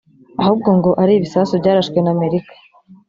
ahubwo ngo ari ibisasu byarashwe na Amerika